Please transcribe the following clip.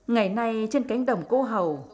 ngày nay trên cánh đồng cô hầu